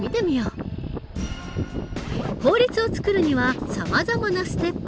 法律を作るにはさまざまなステップが存在する。